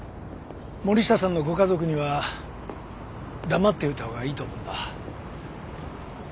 森下さんのご家族には黙っておいた方がいいと思うんだ。